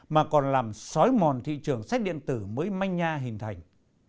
mà còn làm sói mòn thị trường sách điện tử mới manh nha hình thành